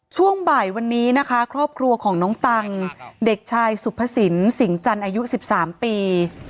ช่วงบ่ายวันนี้นะคะครอบครัวของน้องตังเด็กชายสุภสินสิงจันทร์อายุ๑๓ปี